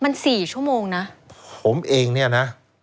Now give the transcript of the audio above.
มัน๔ชั่วโมงนะ